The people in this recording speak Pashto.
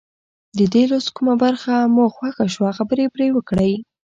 د دې لوست کومه برخه مو خوښه شوه خبرې پرې وکړئ.